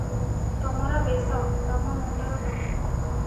"ତମର ବେଶ- ତମ ମୁଣ୍ଡର ଟୋପି ।"